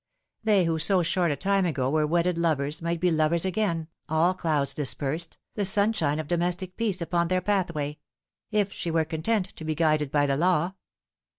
They who so short a time ago were wedded lovers might be lovers again, all clouds dispersed, the sunshine of domestic peace upon their pathway if she were content to be guided by the law.